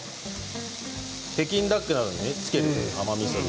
北京ダックなどにつける甘みそ。